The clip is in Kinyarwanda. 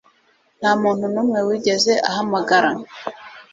ntamuntu numwe wigeze ahamagara